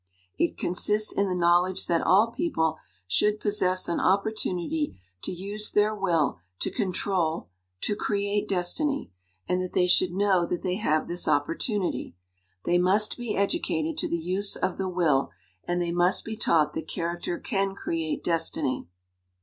It consists in the knowledge that all people should possess an op portunity to use their will to control to create destiny, and that they should know that they have this opportunity. They must be educated to the use of the will, and they must be taught that character can create destiny.